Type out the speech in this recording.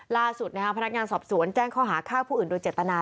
ล่าสุดพนักงานสอบสวนแจ้งข้อหาฆ่าผู้อื่นโดยเจตนา